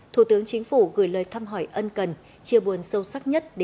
thủ tướng chính phủ gửi lời thăm hỏi ân cần